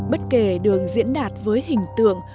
bất kể đường diễn đạt với hình tượng